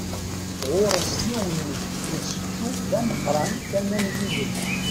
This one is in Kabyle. Ɣur-s yiwen n usečču d ameqqṛan tama n yilel.